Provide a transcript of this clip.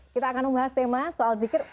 kita akan membahas tema soal zikir